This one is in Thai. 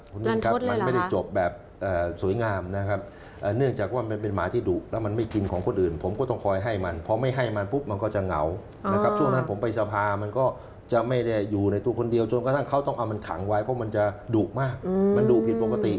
คุณมินครับมันไม่ได้จบแบบสวยงามนะครับเนื่องจากว่ามันเป็นหมาที่ดุแล้วมันไม่กินของคนอื่นผมก็ต้องคอยให้มันเพราะไม่ให้มันปุ๊บมันก็จะเหงานะครับช่วงนั้นผมไปสภามันก็จะไม่ได้อยู่ในตัวคนเดียวจนกระทั่งเขาต้องเอามันขังไว้เพราะมันจะดุมากมันดุผิดปกติ